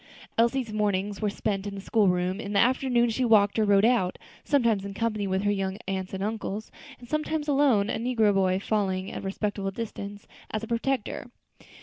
Elsie's mornings were spent in the school room; in the afternoon she walked, or rode out, sometimes in company with her young uncles and aunts, and sometimes alone, a negro boy following at a respectful distance, as a protector.